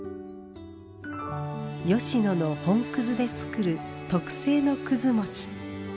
吉野の本くずで作る特製のくずもち。